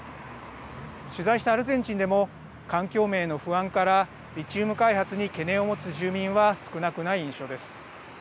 取材したアルゼンチンでも環境面への不安からリチウム開発に懸念を持つ住民は少なくない印象です。